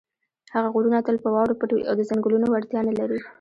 هغه غرونه تل په واورو پټ وي او د څنګلونو وړتیا نه لري.